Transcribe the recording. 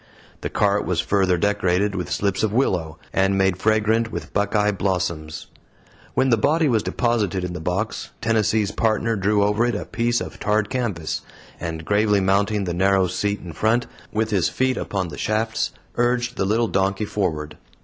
The cart was further decorated with slips of willow, and made fragrant with buckeye blossoms. When the body was deposited in the box, Tennessee's Partner drew over it a piece of tarred canvas, and gravely mounting the narrow seat in front, with his feet upon the shafts, urged the little donkey forward.